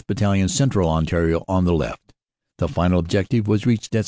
Battalion, Central Ontario, on the left. The final objective was reached at 7.